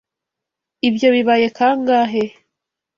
Ibyo bibaye kangahe?